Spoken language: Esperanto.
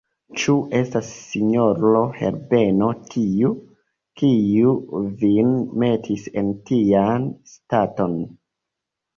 Ĉu estas sinjoro Herbeno tiu, kiu vin metis en tian staton?